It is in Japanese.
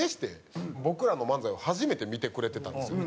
僕らの漫才を初めて見てくれてたんですよ。